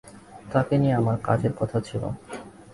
তাঁকে নিয়ে আমার কাজের কথা ছিল।